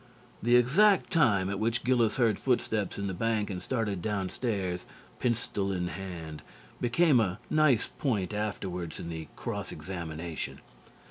The exact time at which Gillis heard footsteps in the bank and started downstairs, pistol in hand, became a nice point afterwards in the cross examination.